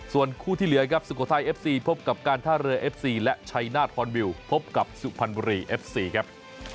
ส่วนคู่ที่เหลือครับสุโขทัยเอฟซีพบกับการท่าเรือเอฟซีและชัยนาธฮอนบิวพบกับสุพรรณบุรีเอฟซีครับ